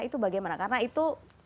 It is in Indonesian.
itu bagaimana karena itu